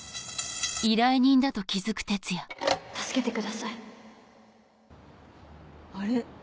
助けてくださいあれ？